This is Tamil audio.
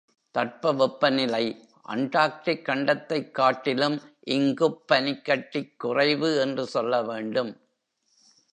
தட்ப வெப்பநிலை அண்டார்டிக் கண்டத்தைக் காட்டிலும் இங்குப் பனிக்கட்டி குறைவு என்று சொல்ல வேண்டும்.